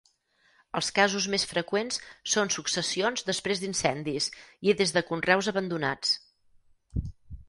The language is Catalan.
Els casos més freqüents són successions després d'incendis i des de conreus abandonats.